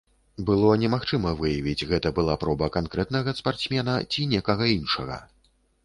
Было немагчыма выявіць, гэта была проба канкрэтнага спартсмена ці некага іншага.